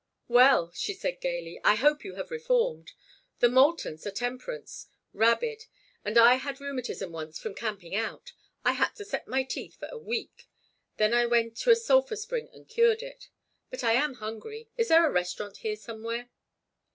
"Well," she said, gayly, "I hope you have reformed. The Moultons are temperance—rabid—and I had rheumatism once from camping out. I had to set my teeth for a week. Then I went to a sulphur spring and cured it. But I am hungry. Isn't there a restaurant here, somewhere?"